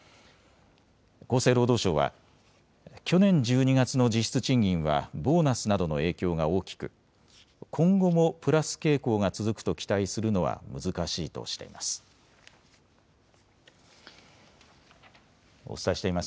厚生労働省は、去年１２月の実質賃金はボーナスなどの影響が大きく今後もプラス傾向が続くと期待するのは難しいとしています。